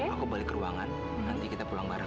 aku balik ke ruangan nanti kita pulang bareng